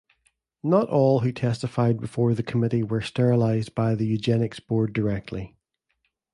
Not all who testified before the Committee were sterilized by the Eugenics Board directly.